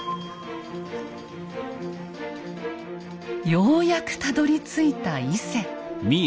ようやくたどりついた伊勢。